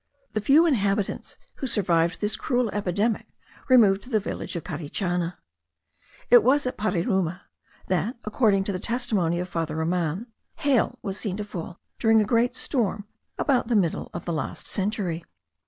The few inhabitants who survived this cruel epidemic, removed to the village of Carichana. It was at Pararuma, that, according to the testimony of Father Roman, hail was seen to fall during a great storm, about the middle of the last century.